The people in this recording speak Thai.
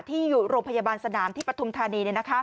ที่อยู่โรงพยาบาลสนามที่ปฐุมธานี